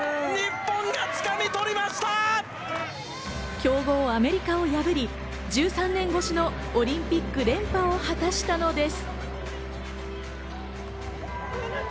強豪アメリカを破り、１３年越しのオリンピック連覇を果たしたのです。